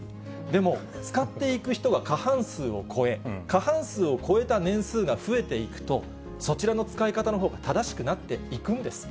でも、使っていく人が過半数を超え、過半数を超えた年数が増えていくと、そちらの使い方のほうが正しくなっていくんです。